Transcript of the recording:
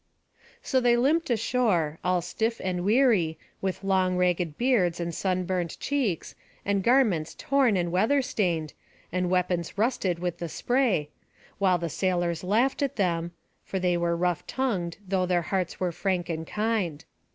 So they limped ashore, all stiff and weary, with long ragged beards and sunburnt cheeks, and garments torn and weather stained, and weapons rusted with the spray, while the sailors laughed at them (for they were rough tongued, though their hearts were frank and kind).